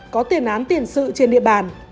có tiền án tiền sự trên địa bàn